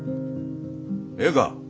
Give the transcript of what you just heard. ええか。